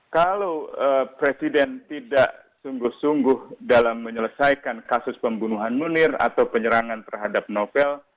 kalau presiden tidak sungguh sungguh dalam menyelesaikan kasus pembunuhan munir atau penyerangan terhadap novel